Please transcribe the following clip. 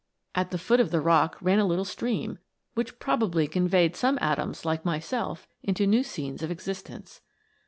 At the foot of the rock ran a little stream, which probably con veyed some atoms like myself into new scenes of existence.